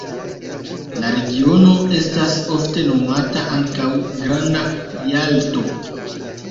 La regiono estas ofte nomata ankaŭ "Granda Jalto".